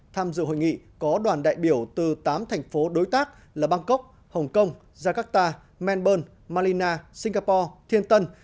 tham dự hội nghị có đoàn đại biểu từ tám thành phố đối tác là bangkok hồng kông jakarta melbourne malina singapore thiên tân